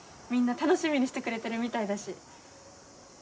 みんな楽しみにしてくれてるみたいだし。